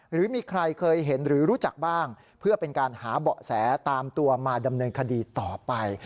หรือมีใครเคยเห็นหรือรู้จักบ้างเพื่อเป็นการหาเบาะแสตามตัวมาดำเนินคดีต่อไป